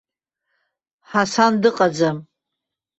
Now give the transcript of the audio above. Ҳасан дыҟаӡам.